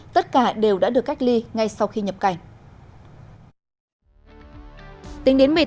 tất cả đều đã được cách ly ngay sau khi nhập cảnh